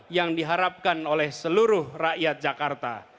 yang diharapkan oleh seluruh rakyat jakarta